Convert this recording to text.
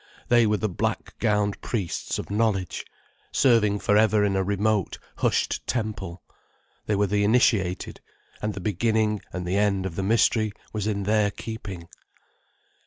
They were the black gowned priests of knowledge, serving for ever in a remote, hushed temple. They were the initiated, and the beginning and the end of the mystery was in their keeping.